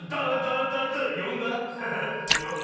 よんだ？